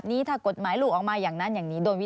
จะไม่ได้มาในสมัยการเลือกตั้งครั้งนี้แน่